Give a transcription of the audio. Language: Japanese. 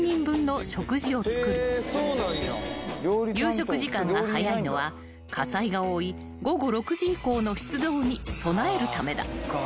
［夕食時間が早いのは火災が多い午後６時以降の出動に備えるためだ］